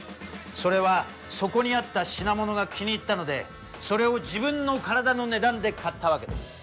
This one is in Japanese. それはそこにあった品物が気に入ったのでそれを自分の体の値段で買ったわけです。